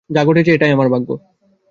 যা ঘটেছে, এটা আমার ভাগ্য।